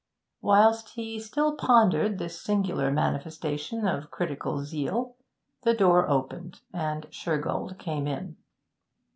Whilst he still pondered this singular manifestation of critical zeal, the door opened, and Shergold came in.